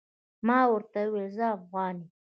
ما ورته وويل زه افغان يم.